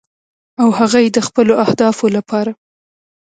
او هغه یې د خپلو اهدافو لپاره